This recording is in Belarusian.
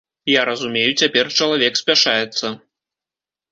Я разумею, цяпер чалавек спяшаецца.